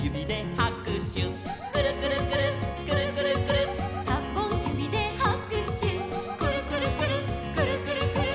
「にほんゆびではくしゅ」「くるくるくるっくるくるくるっ」「さんぼんゆびではくしゅ」「くるくるくるっくるくるくるっ」